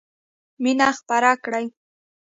مینه خپره کړئ!